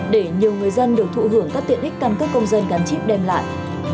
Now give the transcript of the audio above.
để nhiều người dân được thụ hưởng các tiện ích căn cước công dân gắn chip đem lại